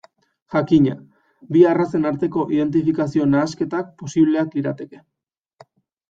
Jakina, bi arrazen arteko identifikazio nahasketak posibleak lirateke.